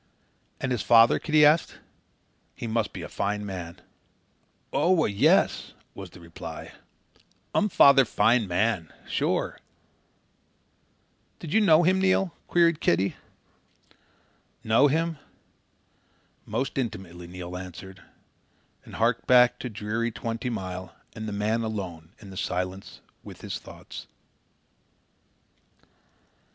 "And his father?" Kitty asked. "He must be a fine man." "Oo a, yes," was the reply. "Um father fine man. Sure!" "Did you know him, Neil?" queried Kitty. "Know him? Most intimately," Neil answered, and harked back to dreary Twenty Mile and the man alone in the silence with his thoughts.